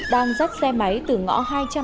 đang dắt xe máy từ ngõ hai trăm hai mươi ba